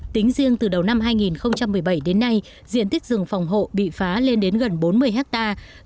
tính riêng từ đầu năm hai nghìn một mươi bảy đến nay diện tích rừng phòng hộ bị phá lên đến gần bốn mươi hectare